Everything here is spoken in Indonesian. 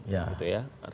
ya gitu ya